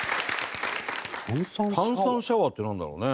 炭酸シャワーってなんだろうね。